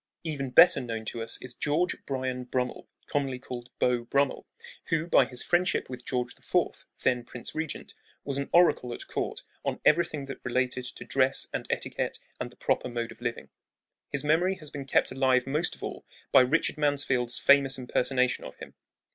Even better known to us is George Bryan Brummel, commonly called "Beau Brummel," who by his friendship with George IV. then Prince Regent was an oracle at court on everything that related to dress and etiquette and the proper mode of living. His memory has been kept alive most of all by Richard Mansfield's famous impersonation of him.